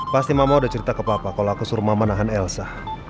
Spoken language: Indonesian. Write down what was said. pasti mama udah cerita ke papa kalau aku suruh mama nahan elsa